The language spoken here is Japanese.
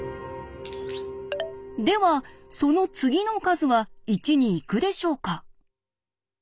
ではその次の数は１に行くでしょうか？